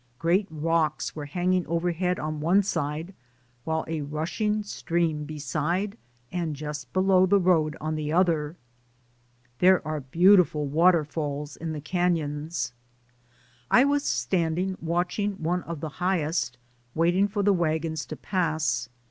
Great rocks were hanging overhead on one side, with a rushing stream beside and just below the road on the other. There are beautiful waterfalls in the cafions. I was standing watching one of the highest, waiting for the wagons to pass.